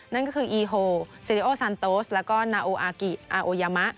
นั่นก็คืออีโฮซิริโอซานโตสแล้วก็นาโออากิอาโอยามะ